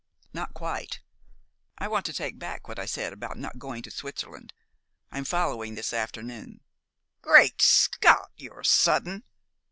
"Not quite. I want to take back what I said about not going to Switzerland. I'm following this afternoon." "Great Scott! You're sudden."